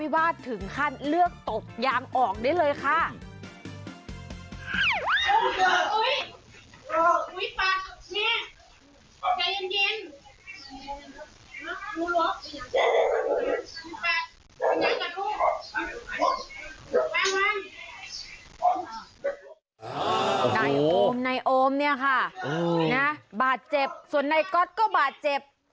บาดเจ็บส่วนในก๊อตก็บาดเจ็บ